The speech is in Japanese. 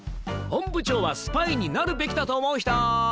本部長はスパイになるべきだと思う人？